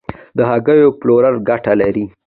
د هګیو پلورل ګټه لري؟